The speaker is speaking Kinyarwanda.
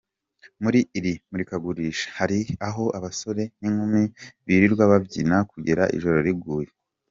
Muri iri murikagurisha, hari aho abasore n’inkumi birirwa babyina kugera ijoro riguye.